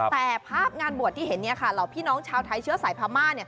แต่ภาพงานบวชที่เห็นเหล่าพี่น้องชาวไทยเชื้อสายพม่า